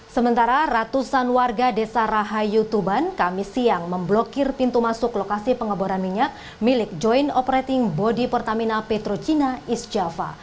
sementara ratusan warga desa rahayu tuban kami siang memblokir pintu masuk lokasi pengeboran minyak milik joint operating body pertamina petrochina east java